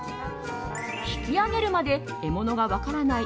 引き上げるまで獲物が分からない